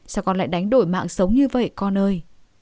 sao con lại đánh đổi mạng sống như vậy có ơi